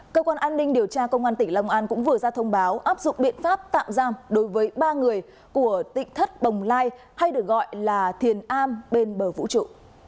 cơ quan an ninh điều tra công an tỉnh long an cũng vừa ra thông báo áp dụng biện pháp tạm giam đối với ba người của tịnh thất bồng lai hay được gọi là thiền a bên bờ vũ trụ